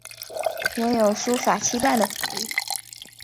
拥有书法七段的才艺。